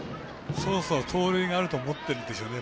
そろそろ盗塁があると思ってるでしょうね。